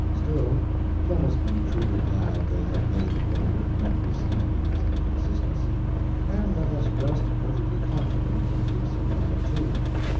Still, let us be truly glad they have made the order, notwithstanding its inconsistency; and let us rest perfectly confident the police are glad, too.